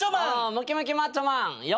ムキムキマッチョマン横。